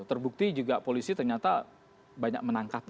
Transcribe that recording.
terbukti juga polisi ternyata banyak menangkapi